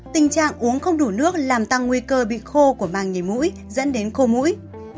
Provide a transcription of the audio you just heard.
tình trạng uống không đủ nước làm tăng nguy cơ bị khô của màng nhảy mũi dẫn đến khô mũi